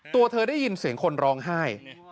ตัวเธอได้ยินเสียงคนร้องไห้